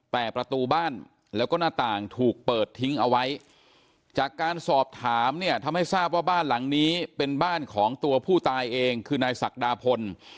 แต่ประตูบ้านแล้วก็หน้าต่างถูกเปิดทิ้งเอาไว้จากการสอบถามเนี่ยทำให้ทราบว่าบ้านหลังนี้เป็นบ้านของตัวผู้ตายเองคือนายศักดาพล